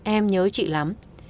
em nhớ chị lắm